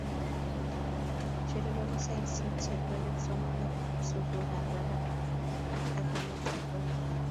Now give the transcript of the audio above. cherupei ko sidesiek cherupei kipsomaninik ap sukulit ap parak ak kanetik kwai